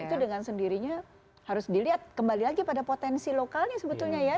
itu dengan sendirinya harus dilihat kembali lagi pada potensi lokalnya sebetulnya ya